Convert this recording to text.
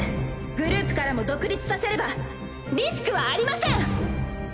グループからも独立させればリスクはありません！